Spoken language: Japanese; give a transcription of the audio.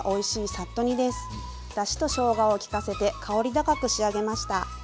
だしとしょうがを利かせて香り高く仕上げました。